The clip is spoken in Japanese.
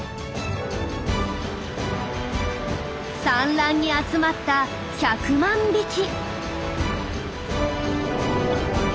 産卵に集まった１００万匹。